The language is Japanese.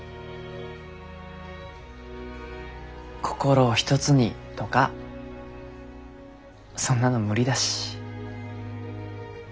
心を一つにとかそんなの無理だし。